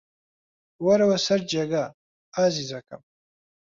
وەرەوە سەر جێگا، ئازیزەکەم.